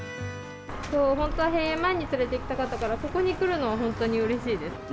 本当は閉園前に連れていきたかったから、ここに来るのは本当にうれしいです。